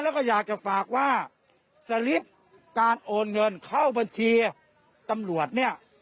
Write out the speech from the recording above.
แล้วก็อยากจะฝากว่าสลิปการโอนเงินเข้าบัญชีตำรวจเนี่ย